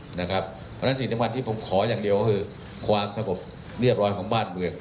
เพราะฉะนั้นสิ่งสำคัญที่ผมขออย่างเดียวก็คือความสงบเรียบร้อยของบ้านเมือง